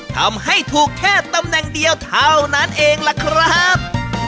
ทำให้ถูกแค่ตำแหน่งเดียวเท่านั้นเองล่ะครับ